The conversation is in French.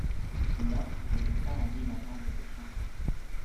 Moi, je n’ai pas envie d’entendre cette chanson.